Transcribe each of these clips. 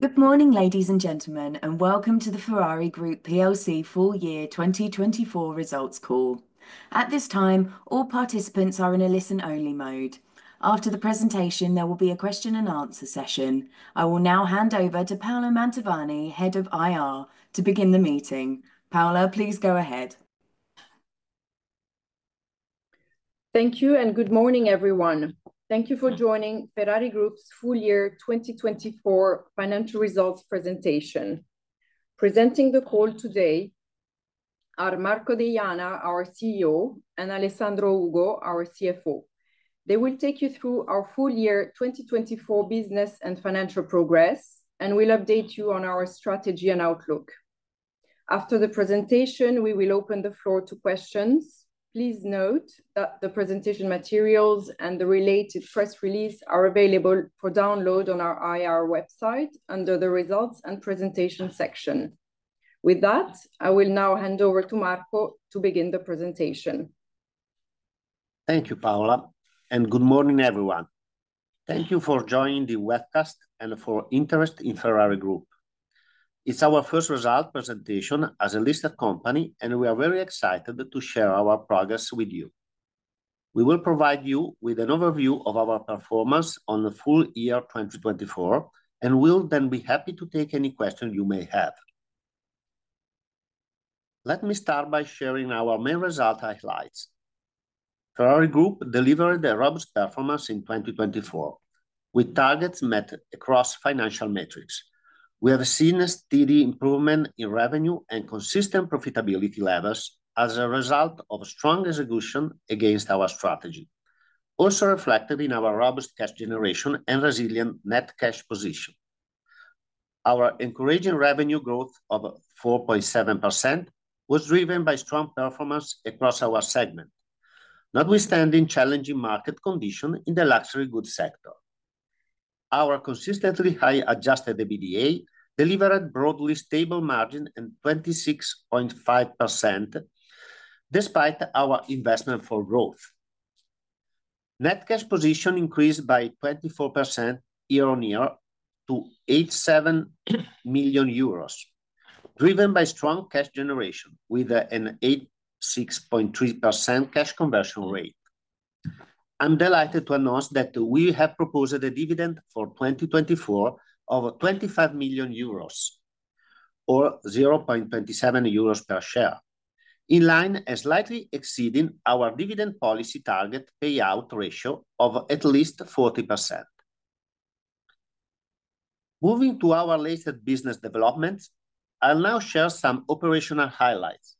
Good morning ladies and gentlemen and welcome to Ferrari Group full year 2024 results call. At this time all participants are in a listen only mode. After the presentation there will be a question and answer session. I will now hand over to Paola Mantovani, Head of Investor Relations, to begin the meeting. Paola, please go ahead. Thank you and good morning everyone. Thank you. Thank you for joining Ferrari Group's full year 2024 financial results presentation. Presenting the call today are Marco Deiana, our CEO, and Alessandro Ugo, our CFO. They will take you through our full year 2024 business and financial progress and will update you on our strategy and outlook. After the presentation we will open the floor to questions. Please note that the presentation materials and the related press release are available for download on our IR website under the Results and Presentation section. With that I will now hand over to Marco to begin the presentation. Thank you, Paola, and good morning, everyone. Thank you for joining the webcast and for your interest in Ferrari Group. It's our first result presentation as a listed company, and we are very excited to share our progress with you. We will provide you with an overview of our performance on the full year 2024, and we'll then be happy to take any questions you may have. Let me start by sharing our main result highlights. Ferrari Group delivered a robust performance in 2024 with targets met across financial metrics. We have seen a steady improvement in revenue and consistent profitability levels as a result of strong execution against our strategy, also reflected in our robust cash generation and resilient net cash position. Our encouraging revenue growth of 4.7% was driven by strong performance across our segment, notwithstanding challenging market conditions in the luxury goods sector. Our consistently high Adjusted EBITDA delivered broadly stable margin and 26.5%. Despite our investment for growth, net cash position increased by 24% year on year to 87 million euros, driven by strong cash generation with an 86.3% cash conversion rate. I'm delighted to announce that we have proposed a dividend for 2024 of over 25 million euros or 0.27 euros per share, in line and slightly exceeding our dividend policy target payout ratio of at least 40%. Moving to our latest business developments, I'll now share some operational highlights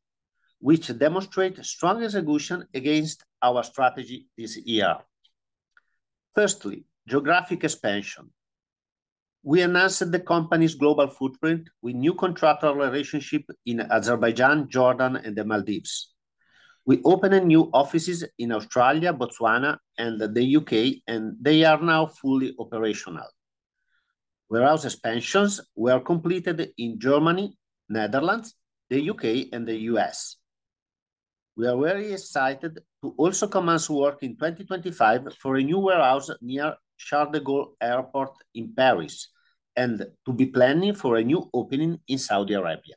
which demonstrate strong execution against our strategy this year. Firstly, geographic expansion. We announced the company's global footprint with new contractual relationships in Azerbaijan, Jordan, and the Maldives. We opened new offices in Australia, Botswana, and the U.K., and they are now fully operational. Warehouse expansions were completed in Germany, the Netherlands, the U.K., and the U.S. We are very excited to also commence work in 2025 for a new warehouse near Charles de Gaulle Airport in Paris and to be planning for a new opening in Saudi Arabia.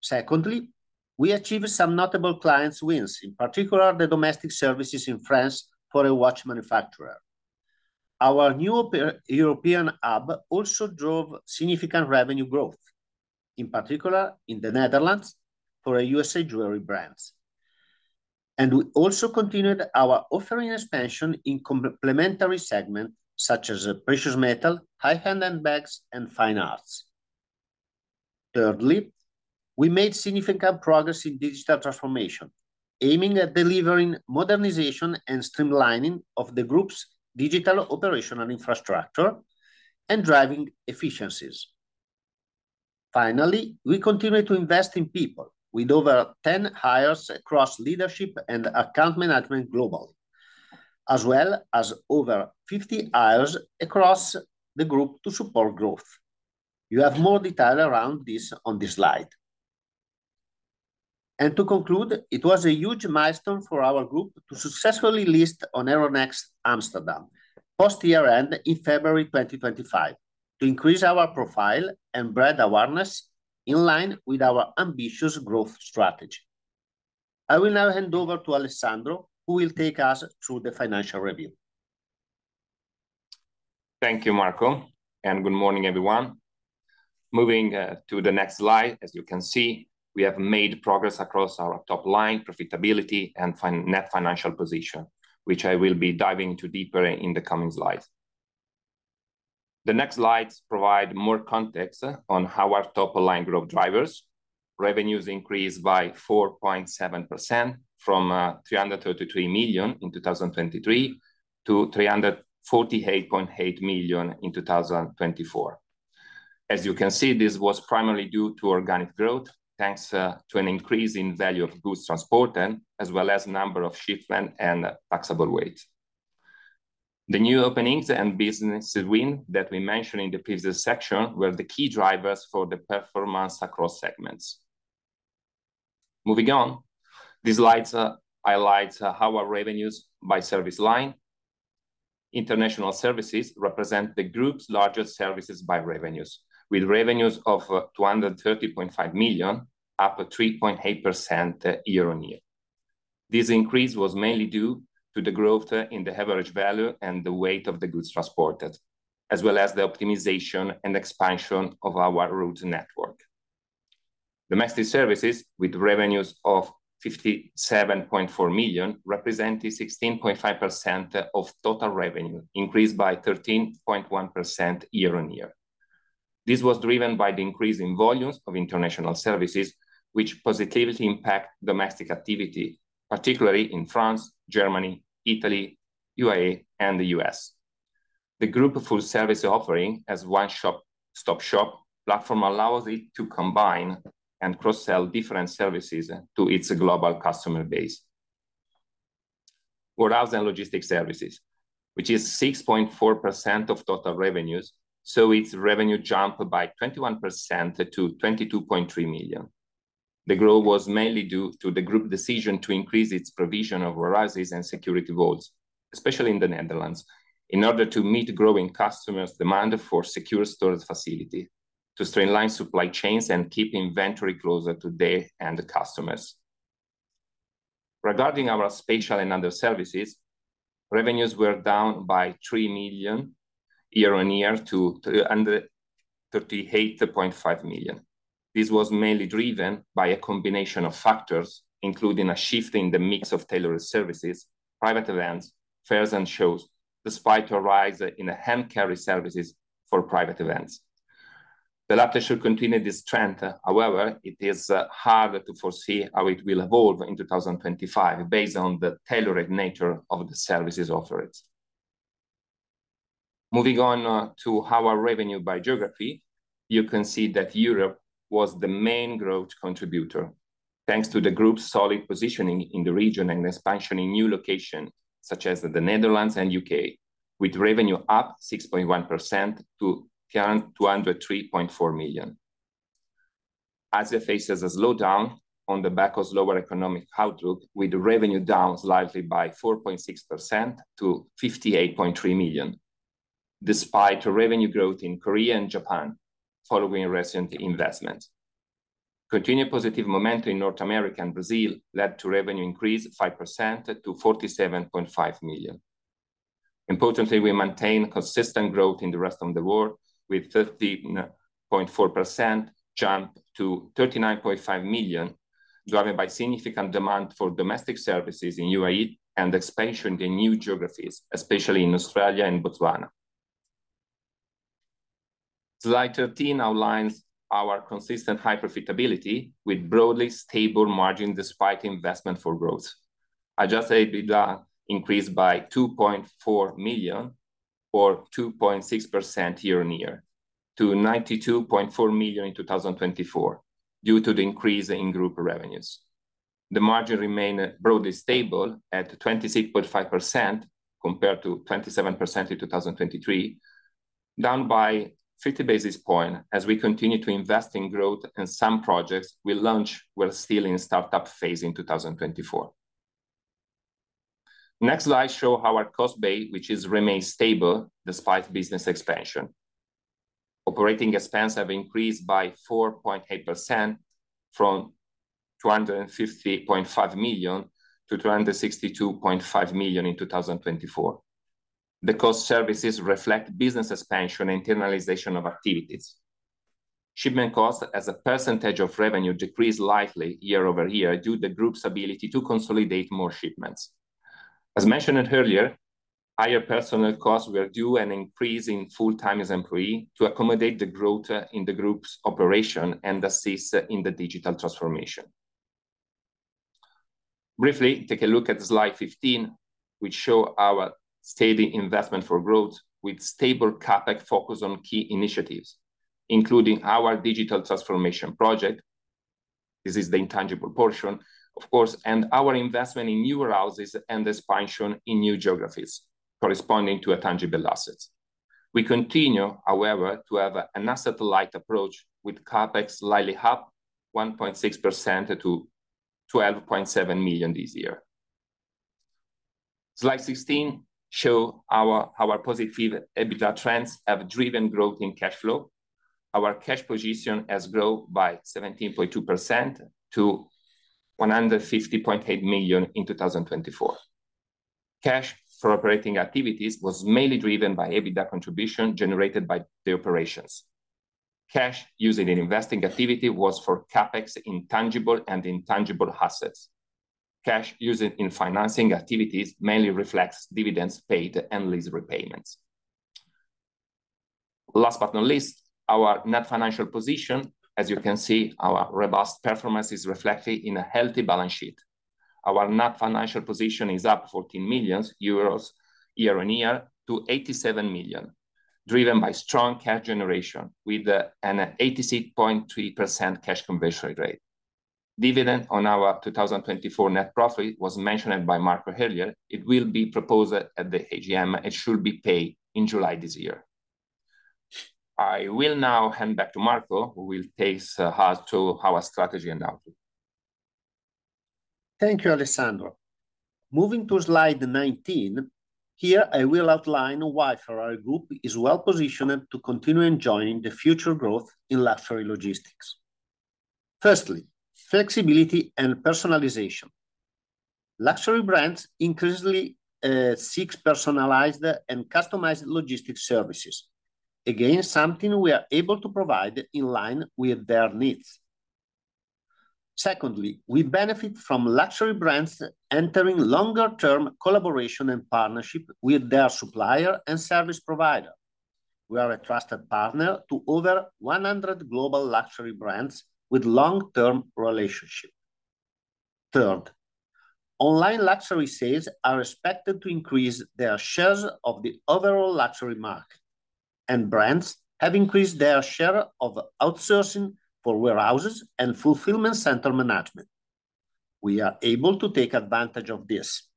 Secondly, we achieved some notable client wins, in particular the domestic services in France for a watch manufacturer. Our new European hub also drove significant revenue growth, in particular in the Netherlands for a U.S.A. jewelry brand, and we also continued our offering expansion in complementary segments such as precious metals, high-end handbags, and fine arts. Thirdly, we made significant progress in digital transformation, aiming at delivering modernization and streamlining of the Group's digital operational infrastructure and driving efficiencies. Finally, we continue to invest in people with over 10 hires across leadership and account management globally as well as over 50 hires across the group to support growth. You have more detail around this on this slide, and to conclude, it was a huge milestone for our group to successfully list on Euronext Amsterdam post year end in February 2025 to increase our profile and brand awareness in line with our ambitious growth strategy. I will now hand over to Alessandro who will take us through the financial review. Thank you Marco and good morning everyone. Moving to the next slide, as you can see we have made progress across our top line profitability and net financial position which I will be diving into deeper in the coming slides. The next slides provide more context on how our top line growth drivers revenues increased by 4.7% from 333 million in 2023 to 348.8 million in 2024. As you can see, this was primarily due to organic growth thanks to an increase in value of goods transported as well as number of shipment and taxable weight. The new openings and business win that we mentioned in the previous section were the key drivers for the performance across segments. Moving on, these highlights how our revenues by service line International Services represent the Group's largest services by revenues with revenues of 230.5 million up 3.8% year on year. This increase was mainly due to the growth in the average value and the weight of the goods transported as well as the optimization and expansion of our route network. Domestic services with revenues of 57.4 million represented 16.5% of total revenue, increased by 13.1% year on year. This was driven by the increase in volumes of international services which positively impact domestic activity, particularly in France, Germany, Italy, UAE, and the U.S. The group full service offering as one stop shop platform allows it to combine and cross sell different services to its global customer base. Warehouse and logistics services, which is 6.4% of total revenues, saw its revenue jump by 21% to 22.3 million. The growth was mainly due to the group decision to increase its provision of warrants and security vaults, especially in the Netherlands, in order to meet growing customers' demand for secure storage facilities to streamline supply chains and keep inventory closer to their end customers. Regarding our spatial and other services, revenues were down by 3 million year on year to 38.5 million. This was mainly driven by a combination of factors including a shift in the mix of tailored services, private events, fairs and shows. Despite a rise in hand carry services for private events, the latter should continue this trend. However, it is hard to foresee how it will evolve in 2025 based on the tailored nature of the services offered. Moving on to our revenue by geography, you can see that Europe was the main growth contributor thanks to the group's solid positioning in the region and expansion in new locations such as the Netherlands and U.K., with revenue up 6.1% to 203.4 million. Asia faces a slowdown on the back of lower economic outlook, with revenue down slightly by 4.6% to 58.3 million. Despite revenue growth in Korea and Japan following recent investment, continued positive momentum in North America and Brazil led to revenue increase 5% to 47.5 million. Importantly, we maintain consistent growth in the rest of the world with a 13.4% jump to 39.5 million, driven by significant demand for domestic services in UAE and expansion in new geographies, especially in Australia and Botswana. Slide 13 outlines our consistent high profitability with broadly stable margin despite investment. For growth, Adjusted EBITDA increased by 2.4 million or 2.6% year on year to 92.4 million in 2024 due to the increase in group revenues. The margin remains broadly stable at 26.5% compared to 27% in 2023, down by 50 basis points. As we continue to invest in growth and some projects we launch, we're still in startup phase in 2024. The next slide shows how our cost base, which remains stable despite business expansion. Operating expense has increased by 4.8% from 250.5 million to 262.5 million in 2024. The cost of services reflects business expansion and internalization of activities. Shipment costs as a percentage of revenue decreased slightly year over year due to the group's ability to consolidate more shipments. As mentioned earlier, higher personnel costs were due to an increase in full-time employees to accommodate the growth in the group's operation and assist in the digital transformation. Briefly take a look at slide 15 which show our steady investment for growth with stable CapEx focus on key initiatives including our digital transformation project. This is the intangible portion of course and our investment in new warehouses and expansion in new geographies corresponding to a tangible asset. We continue however to have an asset light approach with CapEx slightly up 1.6% to 12.7 million this year. Slide 16 show how our positive EBITDA trends have driven growth in cash flow. Our cash position has grown by 17.2% to 150.8 million in 2024. Cash for operating activities was mainly driven by EBITDA contribution generated by the operations. Cash used in investing activity was for CapEx intangible and intangible assets. Cash used in financing activities mainly reflects dividends paid and lease repayments. Last but not least, our net financial position. As you can see, our robust performance is reflected in a healthy balance sheet. Our net financial position is up 14 million euros year on year to 87 million driven by strong cash generation with an 86.3% cash conversion rate. Dividend on our 2024 net profit was mentioned by Marco earlier. It will be proposed at the AGM and should be paid in July this year. I will now hand back to Marco who will take us to our strategy and outlook. Thank you, Alessandro. Moving to Slide 19, here I will outline why Ferrari Group is well positioned to continue enjoying the future growth in luxury logistics. Firstly, flexibility and personalization. Luxury brands increasingly seek personalized and customized logistics services, again something we are able to provide in line with their needs. Secondly, we benefit from luxury brands entering longer term collaboration and partnership with their supplier and service provider. We are a trusted partner to over 100 global luxury brands with long term relationships. Third, online luxury sales are expected to increase their shares of the overall luxury market and brands have increased their share of outsourcing for warehouses and fulfillment center management. We are able to take advantage of this.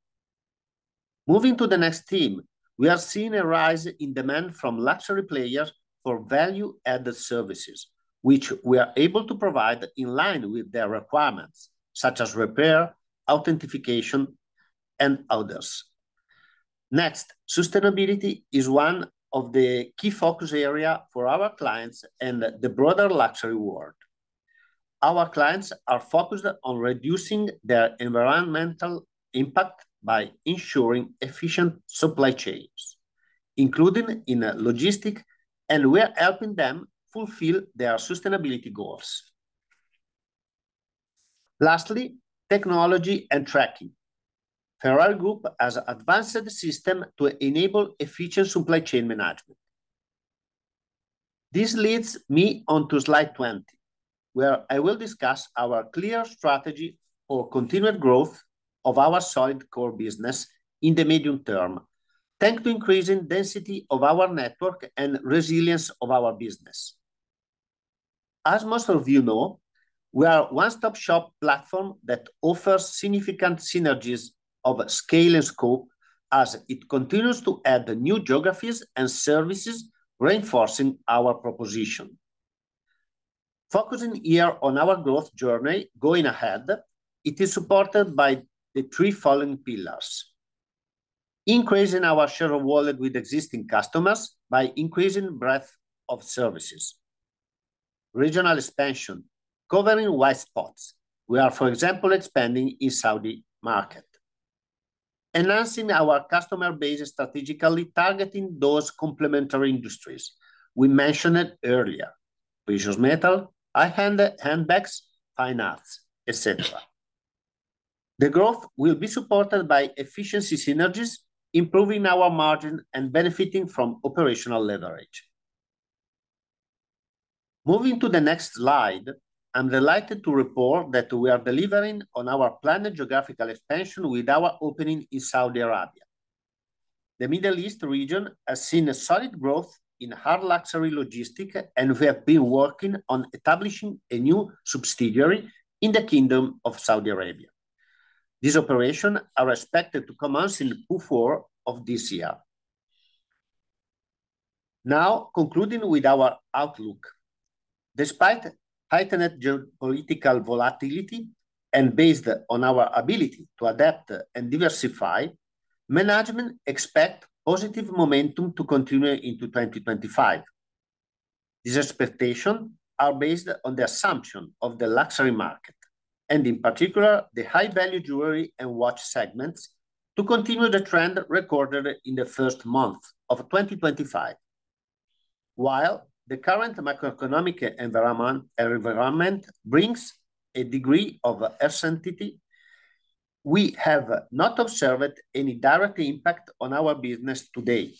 Moving to the next theme, we are seeing a rise in demand from luxury players for value added services which we are able to provide in line with their requirements such as repair, authentication and others. Next, sustainability is one of the key focus areas for our clients and the broader luxury world. Our clients are focused on reducing their environmental impact by ensuring efficient supply chains including in logistics and we are helping them fulfill their sustainability goals. Lastly, technology and tracking, Ferrari Group has advanced systems to enable efficient supply chain management. This leads me onto slide 20 where I will discuss our clear strategy for continued growth of our solid core business in the medium term. Thanks to increasing density of our network and resilience of our business. As most of you know, we are a one stop shop platform that offers significant synergies of scale and scope as it continues to add new geographies and services, reinforcing our proposition focusing here on our growth journey going ahead. It is supported by the three following: increasing our share of wallet with existing customers by increasing breadth of services, regional expansion, covering white spots. We are, for example, expanding in Saudi market, enhancing our customer base, strategically targeting those complementary industries we mentioned earlier, precious metals, high-end handbags, fine arts, etc. The growth will be supported by efficiency synergies, improving our margin and benefiting from operational leverage. Moving to the next slide, I'm delighted to report that we are delivering on our planned geographical expansion with our opening in Saudi Arabia. The Middle East region has seen a solid growth in hard luxury logistics and we have been working on establishing a new subsidiary in the Kingdom of Saudi Arabia. These operations are expected to commence in Q4 of this year. Now concluding with our outlook, despite heightened geopolitical volatility and based on our ability to adapt and diversify, management expect positive momentum to continue into 2025. These expectations are based on the assumption of the luxury market and in particular the high value jewelry and watch segments to continue the trend recorded in the first month of 2025. While the current macroeconomic environment brings a degree of uncertainty, we have not observed any direct impact on our business to date.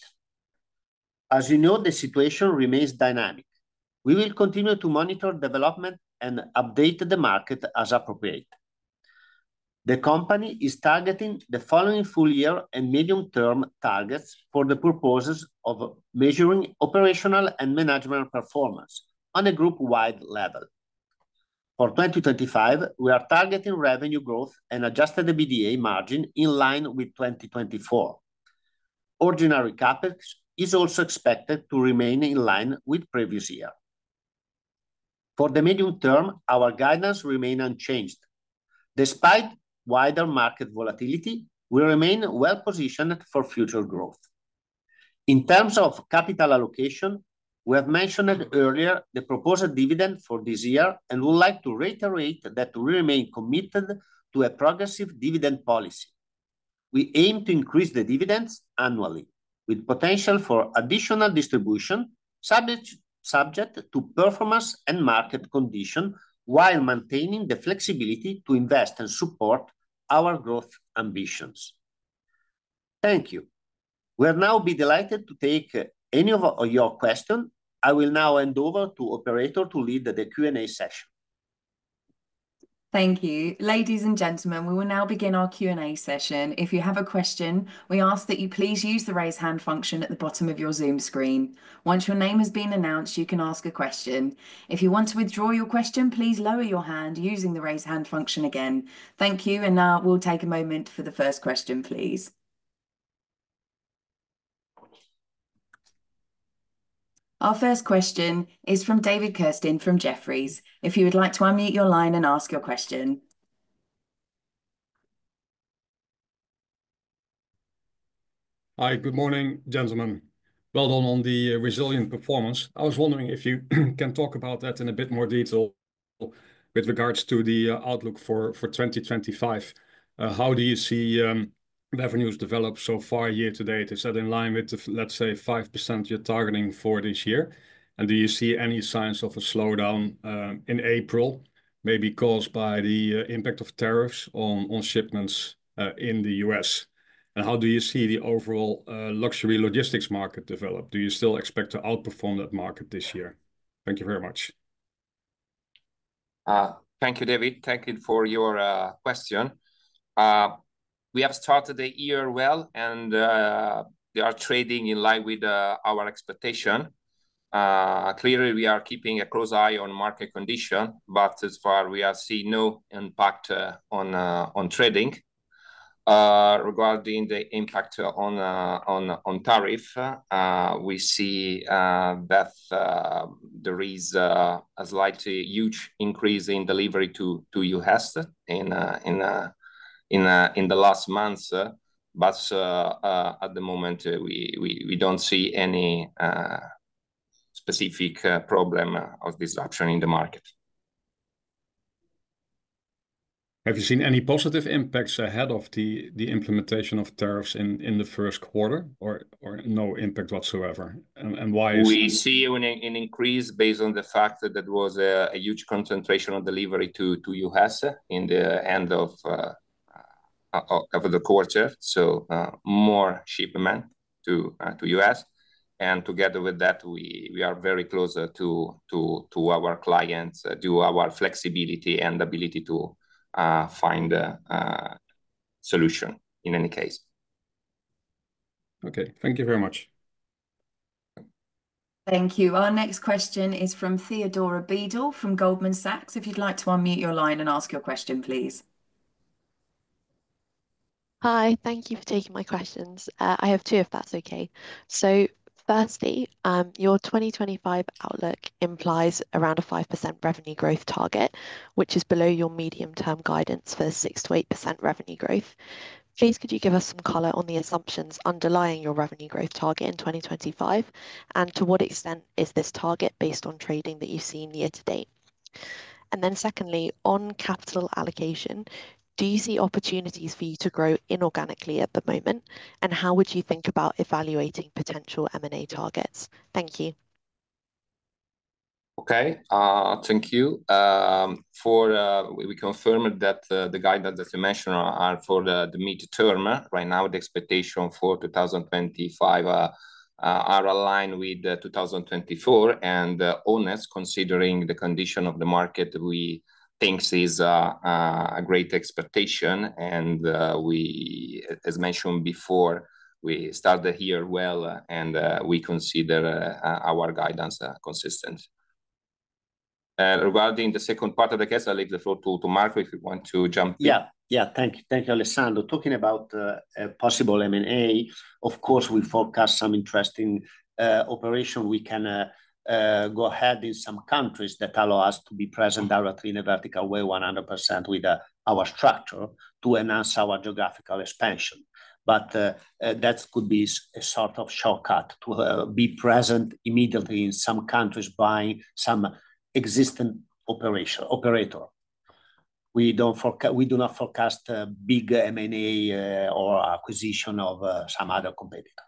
As you know, the situation remains dynamic. We will continue to monitor development and update the market as appropriate. The company is targeting the following full year and medium term targets for the purposes of measuring operational and management performance on a group wide level. For 2025, we are targeting revenue growth and Adjusted EBITDA margin in line with 2024. Ordinary CapEx is also expected to remain in line with previous year. For the medium term, our guidance remains unchanged. Despite wider market volatility, we remain well positioned for future growth. In terms of capital allocation, we have mentioned earlier the proposed dividend for this year and would like to reiterate that we remain committed to a progressive dividend policy. We aim to increase the dividends annually with potential for additional distribution subject to performance and market conditions, while maintaining the flexibility to invest and support our growth ambitions. Thank you. We will now be delighted to take any of your questions. I will now hand over to Operator to lead the Q&A session. Thank you, ladies and gentlemen. We will now begin our Q&A session. If you have a question, we ask that you please use the raise hand function at the bottom of your Zoom screen. Once your name has been announced, you can ask a question. If you want to withdraw your question, please lower your hand using the raise hand function again. Thank you. We will take a moment for the first question. Our first question is from David Kerstens from Jefferies. If you would like to unmute your line and ask your question. Hi. Good morning gentlemen. Well done on the resilient performance. I was wondering if you can talk about that in a bit more detail with regards to the outlook for 2025. How do you see revenues develop so far year to date? Is that in line with let's say 5% you're targeting for this year? Do you see any signs of a slowdown in April, maybe caused by the impact of tariffs on shipments in the U.S and how do you see the overall luxury logistics market develop? Do you still expect to outperform that market this year? Thank you very much. Thank you, David. Thank you for your question. We have started the year well and they are trading in line with our expectation. Clearly we are keeping a close eye on market condition, but as far as we are seeing no impact on trading. Regarding the impact on tariff, we see that there is a slightly huge increase in delivery to the U.S., in the last months. At the moment, we do not see any specific problem of disruption in the market. Have you seen any positive impacts ahead of the implementation of tariffs in the first quarter or no impact whatsoever? We see an increase based on the fact that there was a huge concentration on delivery to the US at the end of the quarter. So more shipment to the U.S. Together with that, we are very close to our clients due to our flexibility and ability to find solutions in any case. Okay, thank you very much. Thank you. Our next question is from Theodora Beadle from Goldman Sachs. If you'd like to unmute your line and ask your question please. Hi, thank you for taking my questions. I have two if that's okay. Firstly, your 2025 outlook implies around a 5% revenue growth target, which is. Below your medium term guidance for six. To 8% revenue growth. Please could you give us some color on the assumptions underlying your revenue growth? Target in 2025 and to what extent. Is this target based on trading that you've seen year to date? Then secondly on capital allocation, do. You see opportunities for you to grow. Inorganically at the moment, and how would. You think about evaluating potential M&A targets? Thank you. Okay, thank you. We confirmed that the guidance that you mentioned are for the midterm. Right now the expectation for 2025 are aligned with 2024 and honest considering the condition of the market we think is a great expectation. As mentioned before we start the year well and we consider our guidance consistent. Regarding the second part of the case, I leave the floor to Marco if you want to jump. Yeah, yeah. Thank you. Thank you. Alessandro. Talking about possible M&A, of course we forecast some interesting operation. We can go ahead in some countries that allow us to be present directly in a vertical way 100 with our structure to enhance our geographical expansion. That could be a sort of shortcut to be present immediately in some countries buying some existing operation. Operator, we do not forecast big M&A or acquisition of some other competitor.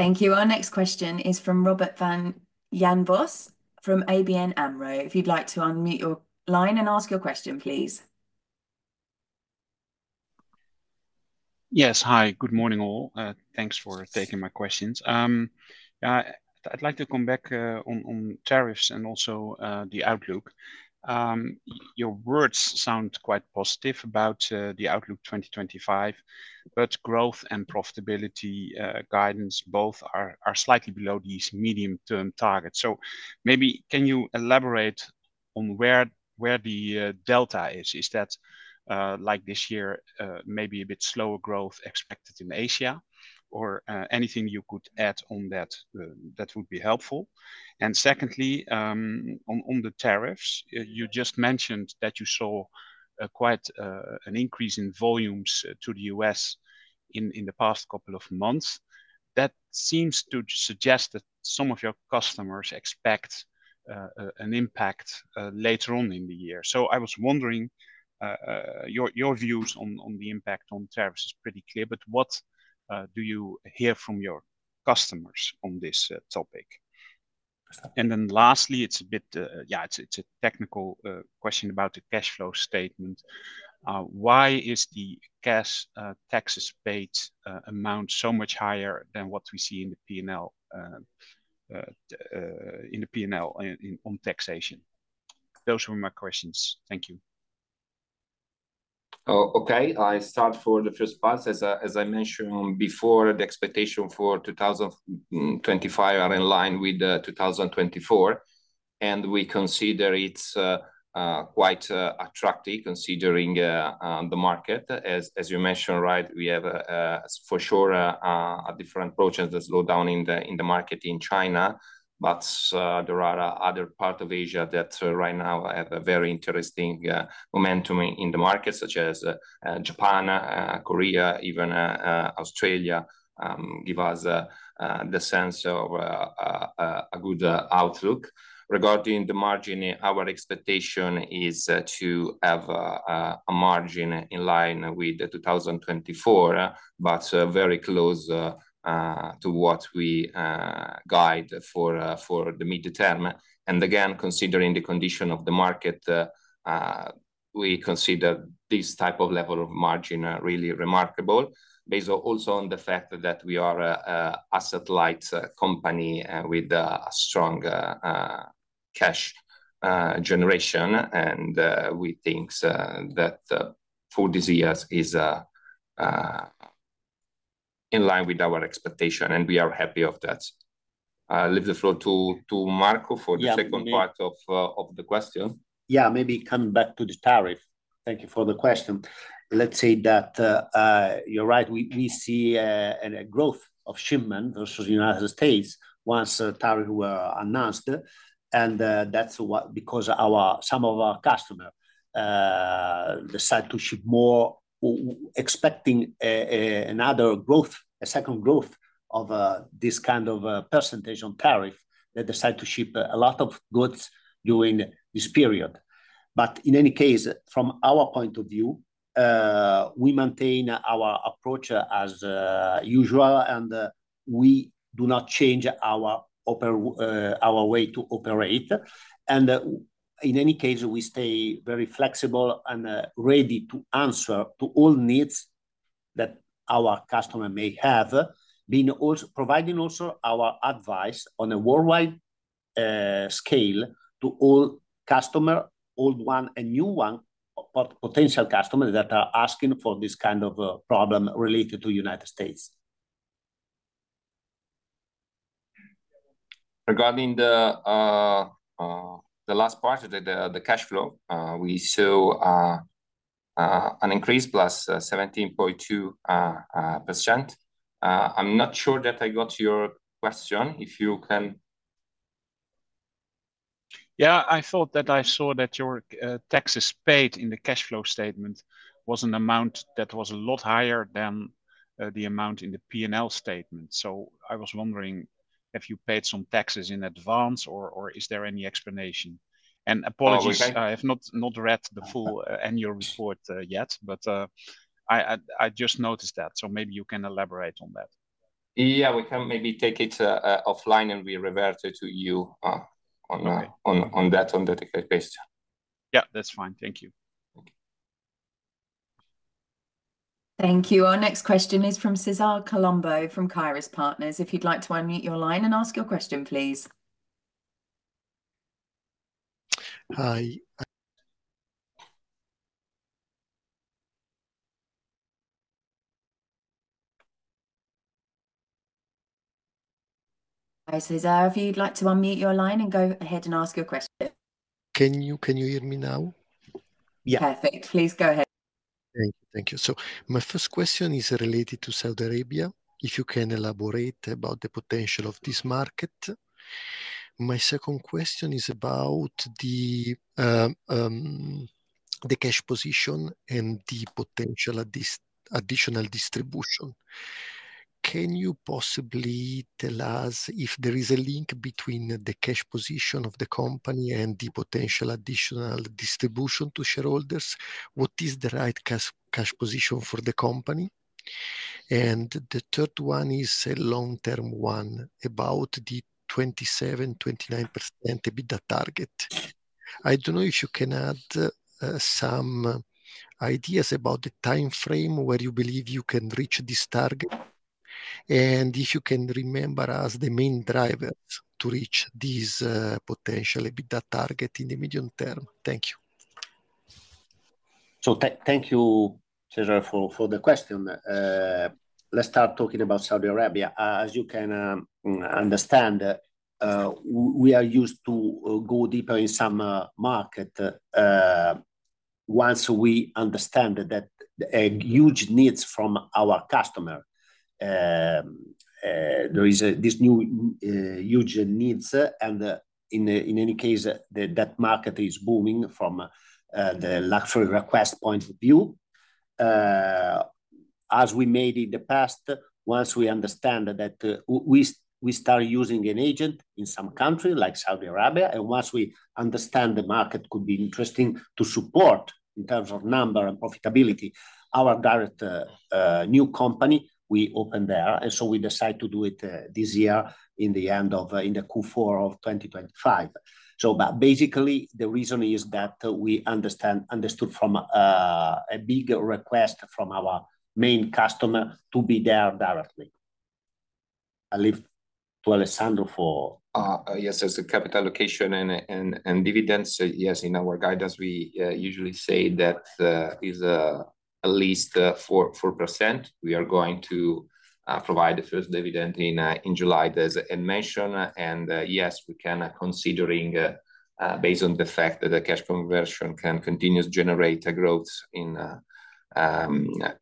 Thank you. Thank you. Our next question is from Robert Jan Vos from ABN AMRO. If you'd like to unmute your line and ask your question, please. Yes. Hi. Good morning all. Thanks for taking my questions. I'd like to come back on tariffs and also the outlook. Your words sound quite positive about the outlook 2025, but growth and profitability guidance both are slightly below these medium term targets. Maybe can you elaborate on where the delta is? Is that like this year maybe a bit slower growth expected in Asia or anything you could add on that that would be helpful. Secondly, on the tariffs, you just mentioned that you saw quite an increase in volumes to the U.S. in the past couple of months. That seems to suggest that some of your customers expect an impact later on in the year. I was wondering, your views on the impact on tariffs is pretty clear. What do you hear from your customers on this topic? Lastly, it's a bit. Yeah, it's a technical question about the cash flow statement. Why is the cash taxes paid amount so much higher than what we see in the P&L, in the P&L on taxation. Those were my questions. Thank you. Okay, I start for the first part. As I mentioned before the expectation for 2025 are in line with 2024 and we consider it quite attractive considering the market as you mentioned. Right. We have for sure a different approaches the slowdown in the, in the market in China. There are other part of Asia that right now have a very interesting momentum in the market such as Japan, Korea, even Australia. Give us the sense of a good outlook regarding the margin. Our expectation is to have a margin in line with 2024 but very close to what we guide for the midterm. Again, considering the condition of the market, we consider this type of level of margin really remarkable based also on the fact that we are an asset-light company with strong cash generation, and we think that for this year it is in line with our expectation and we are happy with that. I leave the floor to Marco for the second part of the question. Yeah, maybe come back to the tariff. Thank you for the question. Let's say that you're right. We see a growth of shipment versus United States once tariffs were announced and that's because some of our customers decide to ship more expecting another growth, a second growth of this kind of percentage on tariff, they decide to ship a lot of goods during this period. In any case, from our point of view, we maintain our approach as usual and we do not change our way to operate. In any case we stay very flexible and ready to answer to all needs that our customer may have been providing. Also our advice on a worldwide scale to all customer, old one and new one potential customers that are asking for this kind of problem related to United States. Regarding the last part of the cash flow, we saw an increase, +17.2%. I'm not sure that I got your question, if you can. Yeah, I thought that I saw that your taxes paid in the cash flow statement was an amount that was a lot higher than the amount in the P&L statement. I was wondering, have you paid some taxes in advance or is there any explanation and apologies, I have not read the full annual report yet, but I just noticed that. Maybe you can elaborate on that. Yeah, we can maybe take it offline and we revert it to you on that. Yeah, that's fine. Thank you. Thank you. Our next question is from Cesare Colombo from Kairos Partners. If you'd like to unmute your line and ask your question, please. Hi. If you'd like to unmute your line and go ahead and ask your question. Can you hear me now? Yeah, perfect. Please go ahead. Thank you. Thank you. My first question is related to Saudi Arabia. If you can elaborate about the potential of this market. My second question is about the cash position and the potential additional distribution. Can you possibly tell us if there is a link between the cash position of the company and the potential additional distribution to shareholders? What is the right cash position for the company? The third one is a long term one about the 27%-29% EBITDA target. I do not know if you can add some ideas about the time frame where you believe you can reach this target and if you can remember as the main drivers to reach these potential EBITDA target in the medium term. Thank you. Thank you Cesar for the question. Let's start talking about Saudi Arabia. As you can understand, we are used to go deeper in some market. Once we understand that a huge needs from our customer, there is this new huge needs, and in any case that market is booming from the luxury request point of view as we made in the past. Once we understand that, we start using an agent in some country like Saudi Arabia, and once we understand the market could be interesting to support in terms of number and profitability, our direct new company, we opened there, and we decided to do it this year in the end of in the Q4 of 2025. Basically, the reason is that we understood from a big request from our main customer to be there directly. I leave to Alessandro for Yes as a capital allocation and dividends. Yes, in our guidance we usually say that is at least 4%. We are going to provide the first dividend in July as Ed mentioned. Yes, we can, considering based on the fact that the cash conversion can continue to generate a growth in the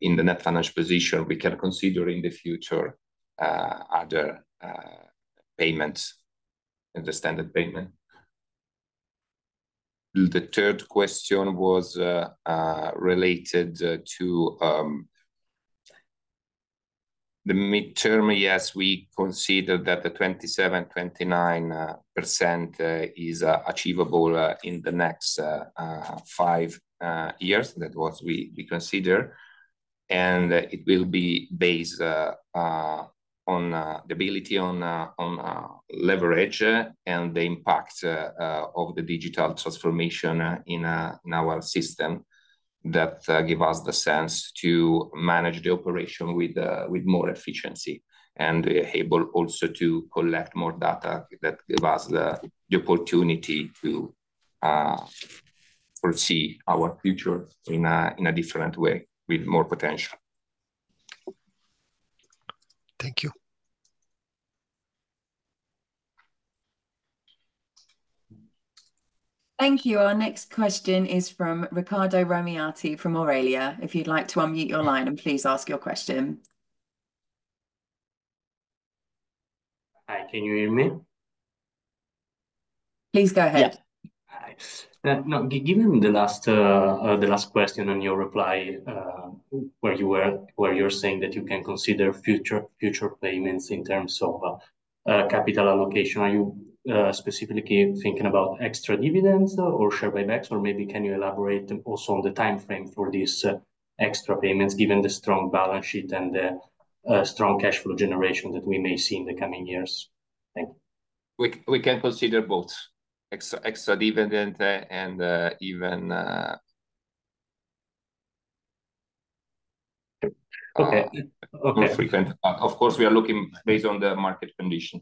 net financial position, we can consider in the future other payments and the standard payment. The third question was related to the midterm. Yes, we consider that the 27%-29% is achievable in the next five years. That was what we consider and it will be based on the ability on leverage and the impact of the digital transformation in our system that give us the sense to manage the operation with more efficiency and able also to collect more data that give us the opportunity to foresee our future in a different way with more potential. Thank you. Thank you. Our next question is from Riccardo Romiati from Aurelia. If you'd like to unmute your line and please ask your question. Hi, can you hear me? Please go ahead Now given the last question on your reply where you were saying that you can consider future payments in terms of capital allocation. Are you specifically thinking about extra dividends or share buybacks or maybe can you elaborate also on the time frame for these extra payments given the strong balance sheet and the strong cash flow generation that we may see in the coming years. Thank you. We can consider both extra dividend and even. Of course we are looking based on the market condition.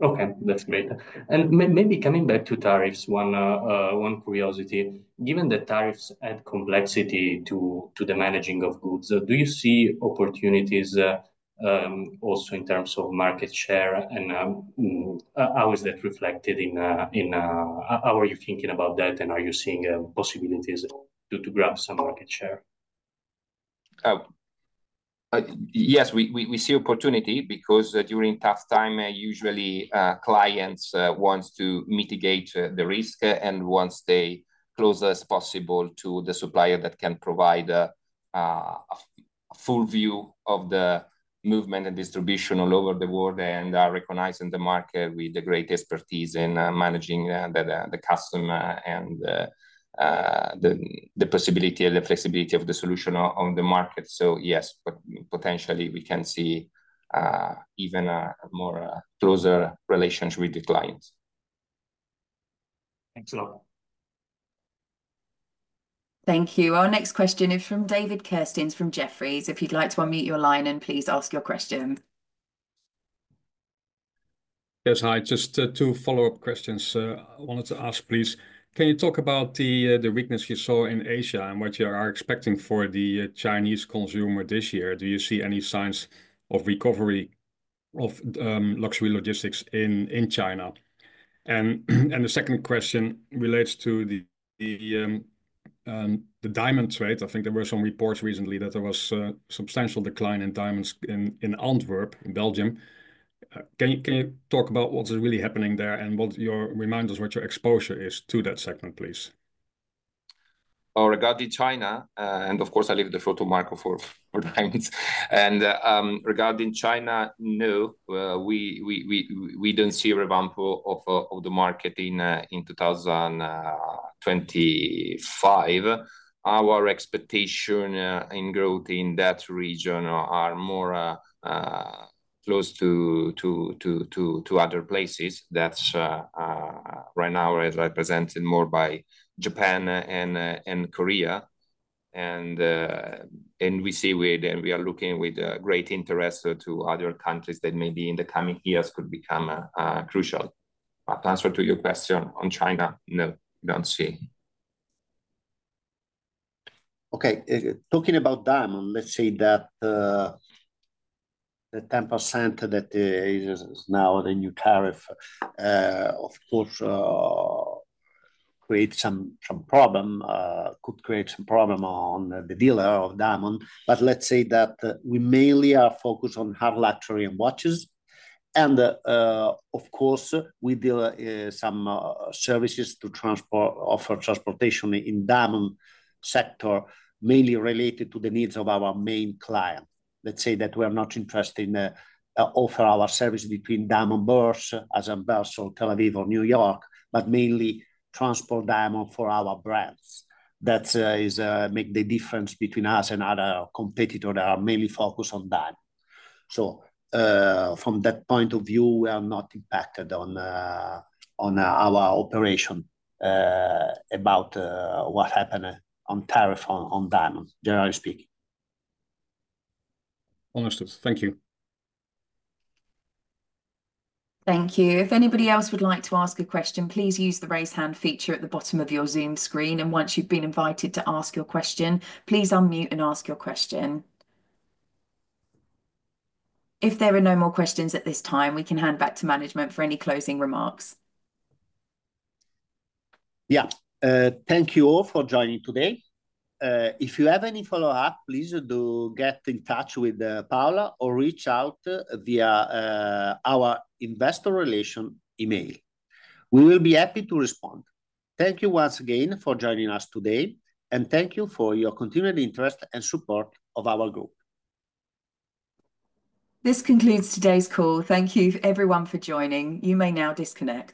Okay, that's great. Maybe coming back to tariffs, curiosity, given that tariffs add complexity to the managing of goods, do you see opportunities also in terms of market share and how is that reflected in how you are thinking about that and are you seeing possibilities to grab some market share? Yes, we see opportunity because during tough time usually clients want to mitigate the risk and once they closer as possible to the supplier that can provide a full view of the movement and distribution all over the world and are recognizing the market with the great expertise in managing the customer and the possibility and the flexibility of the solution on the market. Yes, potentially we can see even more closer relations with the clients. Thanks a lot. Thank you. Our next question is from David Kerstens from Jefferies. If you'd like to unmute your line and please ask your question. Yes, hi. Just two follow up questions I wanted to ask please. Can you talk about the weakness you saw in Asia and what you are expecting for the Chinese consumer this year. Do you see any signs of recovery of luxury logistics in China? The second question relates to the diamond trade. I think there were some reports recently that there was a substantial decline in diamonds in Antwerp in Belgium. Can you talk about what's really happening there and remind us what your exposure is to that segment please. China and of course I leave the photo marker for and regarding China. No, we don't see revamp of the market in 2025. Our expectation in growth in that region are more close to other places that's right now as represented more by Japan and Korea. We see we are looking with great interest to other countries that maybe in the coming years could be crucial. Answer to your question on China. No, don't see. Okay, talking about diamond. Let's say that the 10% that is now the new tariff, of course. Create. Some problem could create some problem on the dealer of diamond. Let's say that we mainly are focused on hard luxury and watches and of course we deal some services to transport, offer transportation in diamond sector mainly related to the needs of our main client. Let's say that we are not interested in offer our service between diamond bourses, Antwerp or Tel Aviv or New York, but mainly transport diamond for our brands that make the difference between us and other competitors that are mainly focused on that. From that point of view we are not impacted on our operation about what happened on tariff on diamond, generally speaking. Honestly, thank you. Thank you. If anybody else would like to ask a question, please use the raise hand feature at the bottom of your Zoom screen. Once you've been invited to ask your question, please unmute and ask your question. If there are no more questions at this time, we can hand back to management for any closing remarks. Yeah. Thank you all for joining today. If you have any follow up, please do get in touch with Paola or reach out via our Investor Relation email. We will be happy to respond. Thank you once again for joining us today and thank you for your continued interest and support of our group. This concludes today's call. Thank you everyone for joining. You may now disconnect.